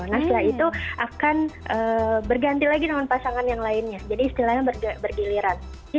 nah setelah itu akan berganti lagi dengan pasangan yang lainnya jadi istilahnya bergiliran